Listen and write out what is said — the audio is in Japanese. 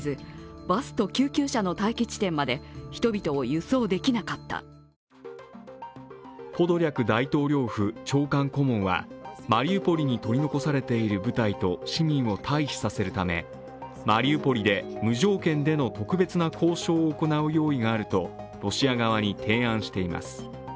一方、ウクライナの副首相はポドリャク大統領府長官顧問はマリウポリに取り残されている部隊と市民を待避させるためマリウポリで無条件での特別な交渉を行う用意があるとロシア側に提案しています。